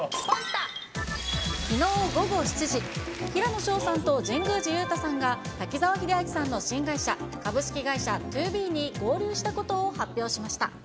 きのう午後７時、平野紫燿さんと神宮寺勇太さんが、滝沢秀明さんの新会社、株式会社ＴＯＢＥに合流したことを発表しました。